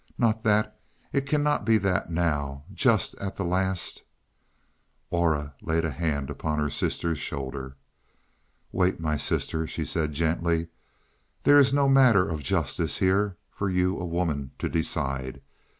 "Not that; it cannot be that now, just at the last " Aura laid a hand upon her sister's shoulder. "Wait, my sister," she said gently. "There is no matter of justice here for you, a woman to decide.